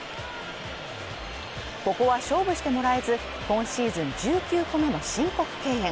ここは勝負してもらえず今シーズン１９個目の申告敬遠